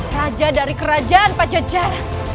raja dari kerajaan pajajaran